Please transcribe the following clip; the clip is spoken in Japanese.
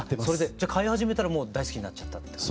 じゃあ飼い始めたらもう大好きになっちゃったって感じ？